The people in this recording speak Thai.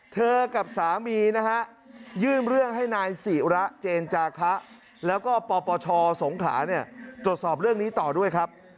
กับสามีนะฮะยื่นเรื่องให้นายศิระเจนจาคะแล้วก็ปปชสงขลาเนี่ยตรวจสอบเรื่องนี้ต่อด้วยครับ